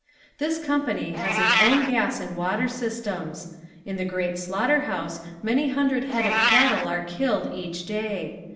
This company has its own gas and water systems. In the great slaughter house many hundred head of cattle are killed each day.